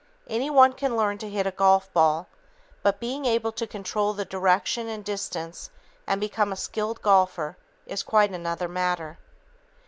Anyone can learn to hit a golf ball, but being able to control the direction and distance and become a skilled golfer is quite another matter.